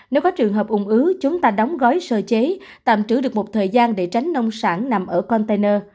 nếu có trường hợp ung ứ chúng ta đóng gói sơ chế tạm trữ được một thời gian để tránh nông sản nằm ở container